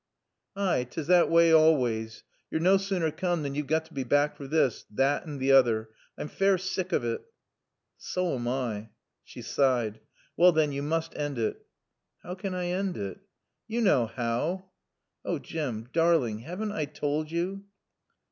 "Ay, 'tis thot waay always. Yo're no sooner coom than yo've got to be back for this, thot and toother. I'm fair sick of it." "So am I." She sighed. "Wall then yo must end it." "How can I end it?" "Yo knaw how." "Oh Jim darling haven't I told you?"